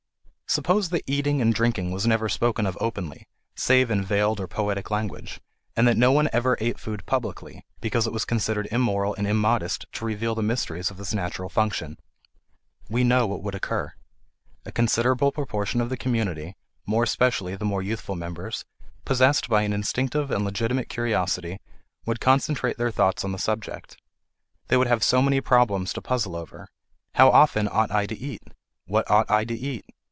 Suppose that eating and drinking was never spoken of openly, save in veiled or poetic language, and that no one ever ate food publicly, because it was considered immoral and immodest to reveal the mysteries of this natural function. We know what would occur. A considerable proportion of the community, more especially the more youthful members, possessed by an instinctive and legitimate curiosity, would concentrate their thoughts on the subject. They would have so many problems to puzzle over: How often ought I to eat? What ought I to eat?